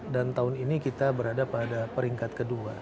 dan tahun ini kita berada pada peringkat ke dua